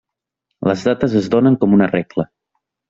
Les dates es donen com una regla.